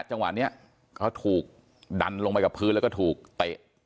จังหวะนี้เขาถูกดันลงไปกับพื้นแล้วก็ถูกเตะ